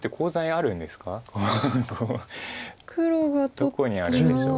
どこにあるんでしょう。